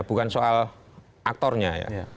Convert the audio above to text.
bukan soal aktornya ya